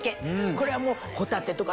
これはもうホタテとか